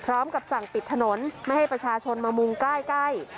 พร้อมกับสั่งปิดถนนไม่ให้ประชาชนมามุงใกล้